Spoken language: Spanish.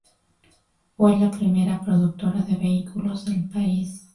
Fue la primera productora de vehículos del país.